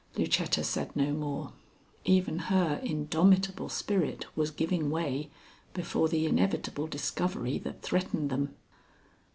Lucetta said no more. Even her indomitable spirit was giving way before the inevitable discovery that threatened them.